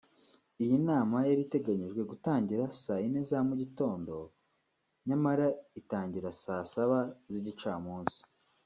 Iyi nama yari iteganyijwe gutangira saa yine za mu gitondo nyamara itangira saa saba z’igicamunsi